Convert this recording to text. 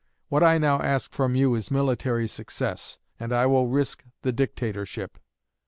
What I now ask from you is military success, and I will risk the dictatorship.